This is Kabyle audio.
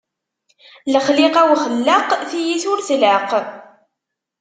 Lexliqa uxellaq, tiyta ur tlaq.